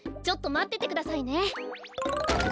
ちょっとまっててくださいね。